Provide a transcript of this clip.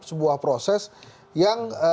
sebuah proses yang